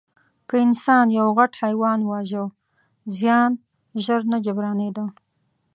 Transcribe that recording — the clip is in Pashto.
که انسان یو غټ حیوان واژه، زیان ژر نه جبرانېده.